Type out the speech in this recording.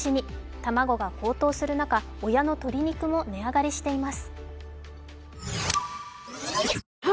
卵が高騰する中、親の鶏肉も値上がりしています。